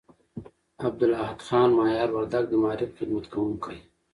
عبدالاحد خان مایار وردگ، د معارف خدمت کوونکي